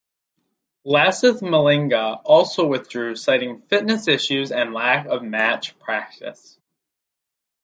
Lasith Malinga also withdrew citing fitness issues and lack of match practice.